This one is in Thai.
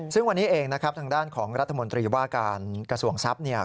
ซึ่งวันนี้เองทางด้านของรัฐมนตรีว่าการกระทรวงทรัพย์